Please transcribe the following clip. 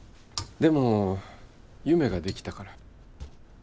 でも夢ができたから。